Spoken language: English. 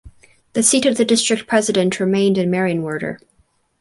The seat of the district president remained in Marienwerder.